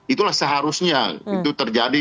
itulah seharusnya itu terjadi